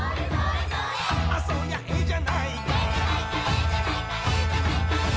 「あそりゃえじゃないか」